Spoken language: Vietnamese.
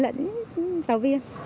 lẫn giáo viên